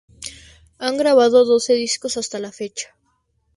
Han grabado doce discos hasta la fecha.